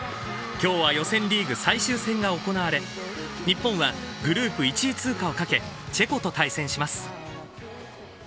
きょうは予選リーグ最終戦が行われ、日本はグループ１位通過をかけ、チェコと対戦します。